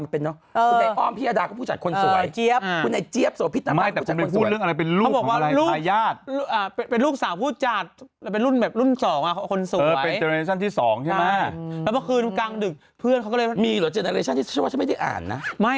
เป็นปุดหยีอีกแล้วจะตุ๊ดไม่ได้ขึ้นใหม่อีกแล้วอู๊ยพ